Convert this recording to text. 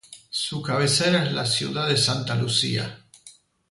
Su cabecera es la ciudad de Santa Lucía.